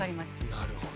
なるほど。